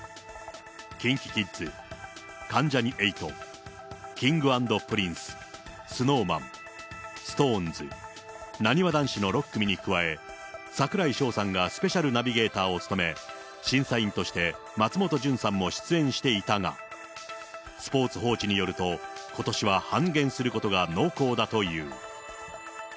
ＫｉｎＫｉＫｉｄｓ、関ジャニ∞、Ｋｉｎｇ＆Ｐｒｉｎｃｅ、ＳｎｏｗＭａｎ、ＳｉｘＴＯＮＥＳ、なにわ男子の６組に加え、櫻井翔さんがスペシャルナビゲーターを務め、審査員として松本潤さんも出演していたが、スポーツ報知によると、ことしは半減することが濃厚だという。